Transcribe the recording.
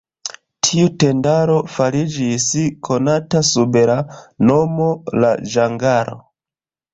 Tiu tendaro fariĝis konata sub la nomo "La Ĝangalo".